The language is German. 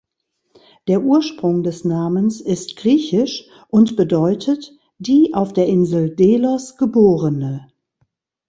Der Ursprung des Namens ist griechisch und bedeutet „die auf der Insel Delos Geborene“.